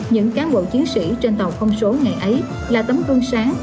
những cán bộ chiến sĩ trên tàu không số ngày ấy là tấm tôn sáng